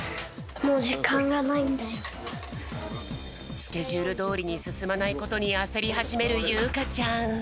スケジュールどおりにすすまないことにあせりはじめるゆうかちゃん。